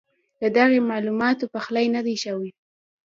ددغه معلوماتو پخلی نۀ دی شوی